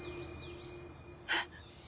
えっ！？